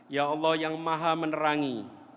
ya allah yang maha menerangi